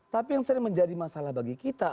tapi yang sering menjadi masalah bagi kita